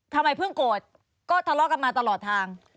ทำไมเพิ่งโกรธก็ทะเลาะกันมาตลอดทาง